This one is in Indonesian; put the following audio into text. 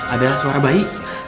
ada suara bayi